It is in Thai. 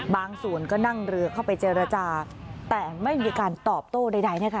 บางส่วนก็นั่งเรือเข้าไปเจรจาแต่ไม่มีการตอบโต้ใดนะคะ